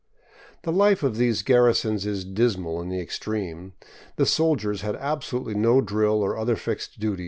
The life of these garrisons is dismal in the extreme. The soldiers had absolutely no drill or other fixed duty.